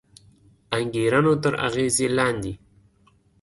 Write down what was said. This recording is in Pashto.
انګېرنو تر اغېز لاندې دی